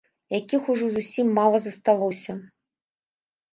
Якіх ужо зусім мала засталося.